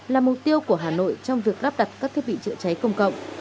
là mục tiêu của hà nội trong việc lắp đặt các thiết bị chữa cháy công cộng